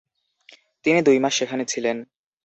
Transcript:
তিনি দুই মাস সেখানে ছিলেন।